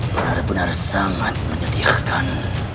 benar benar sangat menyediakan